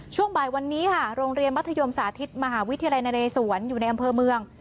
ช่วงบ่ายวันนี้โรงเรียนมัธยมศาษิภิษฐ์มหาวิทยาลายณาเรสวรรค์อยู่ในอำเภอเมือง